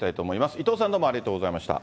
伊藤さん、どうもありがとうございました。